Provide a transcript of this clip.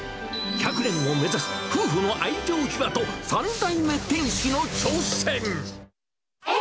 １００年を目指す夫婦の愛情秘話と３代目店主の挑戦。